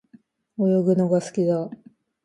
泳ぐのが好きだ。